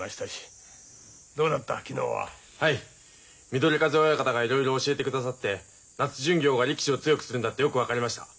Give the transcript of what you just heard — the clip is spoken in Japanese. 緑風親方がいろいろ教えてくださって夏巡業が力士を強くするんだってよく分かりました。